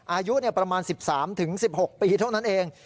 อายุประมาณ๑๓๑๖ปีเท่านั้นเอง